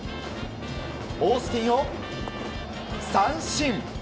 オースティンを三振。